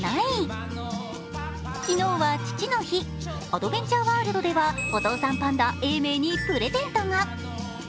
アドベンチャーワールドではお父さんパンダ・永明にプレゼントが。